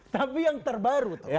tapi yang terbaru